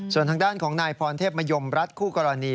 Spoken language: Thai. ส่วนทางด้านของนายพรเทพมยมรัฐคู่กรณี